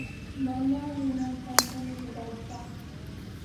Mamaa munanqantami ruraykaa.